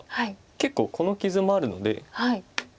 結構この傷もあるので。